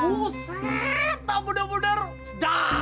buset tak mudah mudah